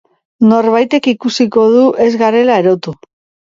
Norbaitek ikusiko du ez garela erotu.